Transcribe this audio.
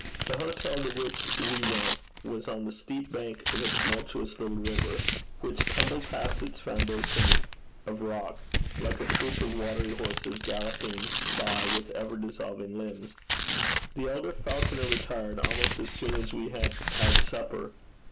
The hotel to which we went was on the steep bank of a tumultuous little river, which tumbled past its foundation of rock, like a troop of watery horses galloping by with ever dissolving limbs. The elder Falconer retired almost as soon as we had had supper.